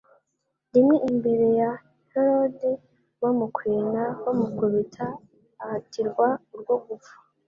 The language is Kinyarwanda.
rimwe imbere ya Herode, bamukwena, bamukubita, ahatirwa urwo gupfa,